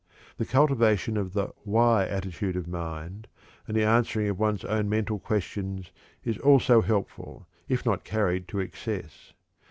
The cultivation of the "Why?" attitude of mind, and the answering of one's own mental questions, is also helpful, if not carried to excess.